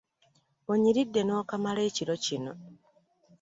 Onyiridde n'okamala ekiro kino .